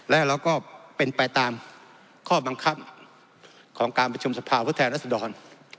และเราก็เป็นไปตามข้อบังคับของการประชุมสภาพุทธแทนรัศดร